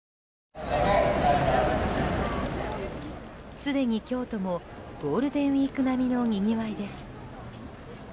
すでに、京都もゴールデンウィーク並みの賑わいです。